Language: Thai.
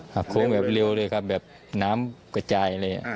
โค้งแบบเร็วเลยครับแบบน้ำกระจายเลย